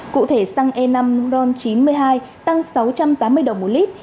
cụ thể xăng e năm ron chín mươi hai tăng sáu trăm tám mươi đồng một lít